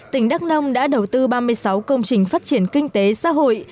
tỉnh đắk nông đã đầu tư ba mươi sáu công trình phát triển kinh tế xã hội